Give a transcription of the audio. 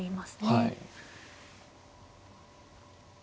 はい。